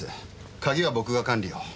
鍵は僕が管理を。